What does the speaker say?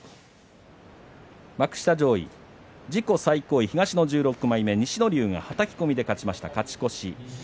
幕下上位、自己最高位東の１６枚目西乃龍がはたき込みで勝ちました勝ち越し。